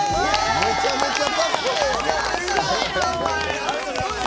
めちゃめちゃかっこええ！